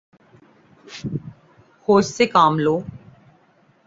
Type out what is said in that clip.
ہوش سے کا لو